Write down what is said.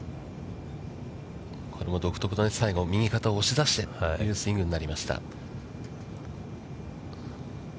独特の最後、右肩を押し出してというスイングになりました。